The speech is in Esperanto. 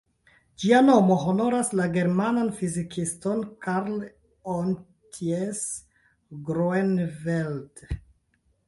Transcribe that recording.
Ĝia nomo honoras la germanan fizikiston "Karl-Ontjes Groeneveld".